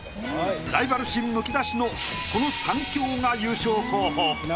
ライバル心むき出しのこの三強が優勝候補。